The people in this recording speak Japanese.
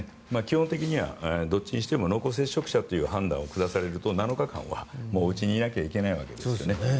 基本的にはどちらにしても濃厚接触者という判断を下されると、７日間はもううちにいなきゃいけないわけですね。